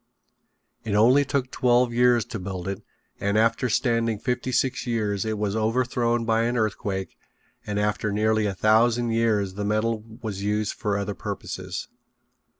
It only took twelve years to build it and after standing fifty six years it was overthrown by an earthquake and after nearly a thousand years the metal was used for other purposes.